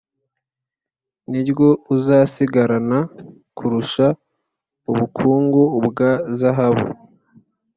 niryo uzasigarana kurusha ubukungu bwa zahabu.